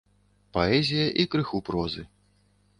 Паэзія і крыху прозы.